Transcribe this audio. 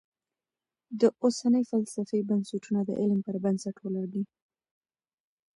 د اوسنۍ فلسفې بنسټونه د علم پر بنسټ ولاړ دي.